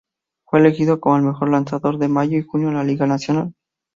Fue elegido como el mejor lanzador de mayo y junio en la Liga Nacional.